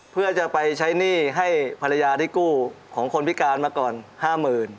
เพื่อจะไปใช้หนี้ให้ภรรยาที่กู้ของคนพิการมาก่อน๕๐๐๐บาท